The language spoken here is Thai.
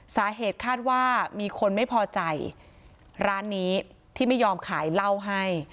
สาเหตุคาดว่ามีคนไม่พอใจร้านนี้ที่ไม่ยอมขายเหล้าให้